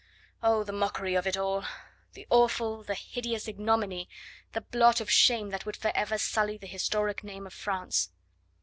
Oh! the mockery of it all the awful, the hideous ignominy, the blot of shame that would forever sully the historic name of France.